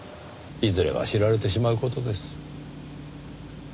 いずれは知られてしまう事です。